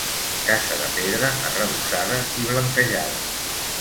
Casa de pedra arrebossada i blanquejada.